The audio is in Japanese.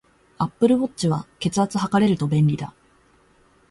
アップルウォッチは、血圧測れると便利だ